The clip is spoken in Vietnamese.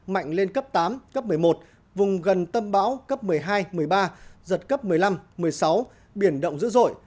mạnh lên cấp tám cấp một mươi một vùng gần tâm bão cấp một mươi hai một mươi ba giật cấp một mươi năm một mươi sáu biển động dữ dội